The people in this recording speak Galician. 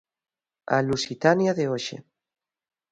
A Lusitania de hoxe.